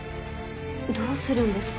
どうするんですか？